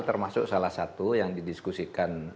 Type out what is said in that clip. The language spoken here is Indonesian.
termasuk salah satu yang didiskusikan